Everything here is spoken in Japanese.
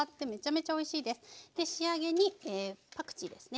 仕上げにパクチーですね。